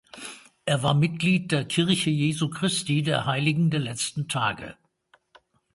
Er war Mitglied der Kirche Jesu Christi der Heiligen der Letzten Tage.